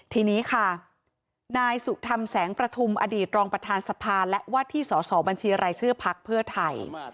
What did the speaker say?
ทีนี้ค่ะนายสุธรรมแสงประทุมอดีตรองประธานสภาและว่าที่สอสอบัญชีรายชื่อพักเพื่อไทย